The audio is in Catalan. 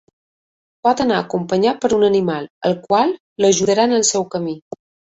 Pot anar acompanyat per un animal, el qual l'ajudarà en el seu camí.